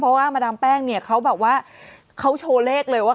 เพราะว่ามาดามแป้งเนี่ยเขาแบบว่าเขาโชว์เลขเลยว่า